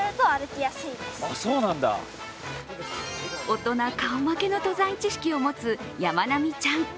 大人顔負けの登山知識を持つやまなみちゃん。